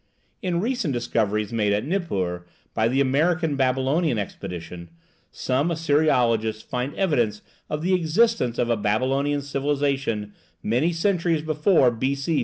In recent discoveries made at Nippur, by the American Babylonian Expedition, some Assyriologists find evidence of the existence of a Babylonian civilization many centuries before B.C.